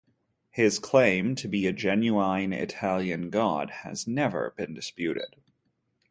His claim to be a genuine Italian god has never been disputed.